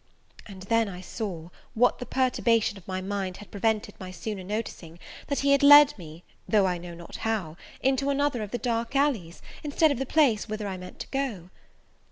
And then I saw, what the perturbation of my mind had prevented my sooner noticing, that he had led me, though I know not how, into another of the dark alleys, instead of the place whither I meant to go.